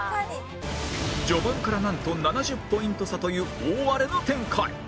序盤からなんと７０ポイント差という大荒れの展開